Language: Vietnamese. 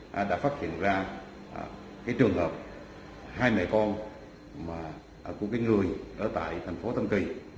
chúng tôi đã phát hiện ra cái trường hợp hai mẹ con của cái người ở tại thành phố tâm kỳ